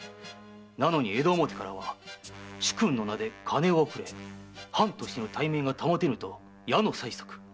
なのに江戸表からは主君の名で金を送れ藩としての体面が保てぬと矢の催促。